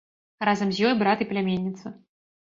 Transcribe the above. Разам з ёй брат і пляменніца.